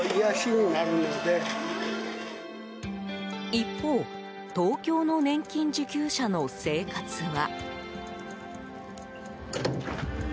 一方、東京の年金受給者の生活は。